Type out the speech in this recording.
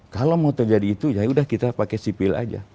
kalau mau terjadi itu ya sudah kita pakai sipil saja